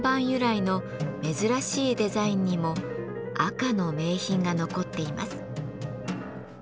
由来の珍しいデザインにも赤の銘品が残っています。